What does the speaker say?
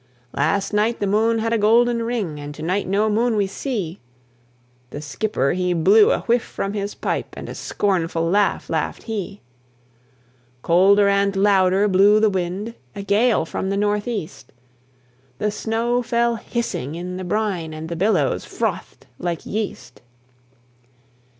"Last night the moon had a golden ring, And to night no moon we see!" The skipper he blew a whiff from his pipe, And a scornful laugh laughed he. Colder and louder blew the wind, A gale from the northeast, The snow fell hissing in the brine, And the billows frothed like yeast.